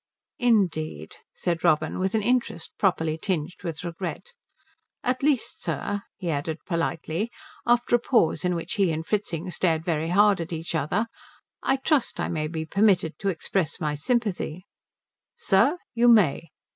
"Indeed," said Robin, with an interest properly tinged with regret. "At least, sir," he added politely, after a pause in which he and Fritzing stared very hard at each other, "I trust I may be permitted to express my sympathy." "Sir, you may."